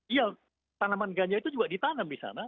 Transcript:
iya tanaman ganja itu juga ditanam di sana